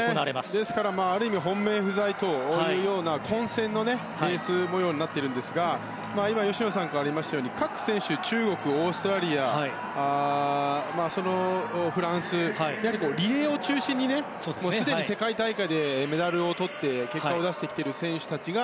ですからある意味、本命不在というような混戦のレース模様になっているんですが今、吉野さんからありましたように中国、オーストラリアフランスとリレーを中心にすでに世界大会でメダルをとって結果を出している選手たちが